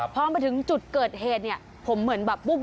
พอมาถึงจุดเกิดเหตุเนี่ยผมเหมือนแบบปุ๊บ